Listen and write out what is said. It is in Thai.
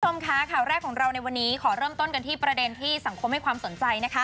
คุณผู้ชมค่ะข่าวแรกของเราในวันนี้ขอเริ่มต้นกันที่ประเด็นที่สังคมให้ความสนใจนะคะ